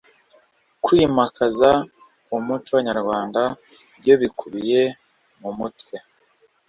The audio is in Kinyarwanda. Kwimakaza umuco nyarwanda byo bikubiye mu mutwe